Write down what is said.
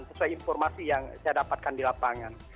sesuai informasi yang saya dapatkan di lapangan